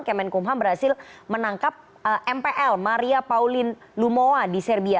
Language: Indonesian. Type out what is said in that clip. kemenkumham berhasil menangkap mpl maria pauline lumowa di serbia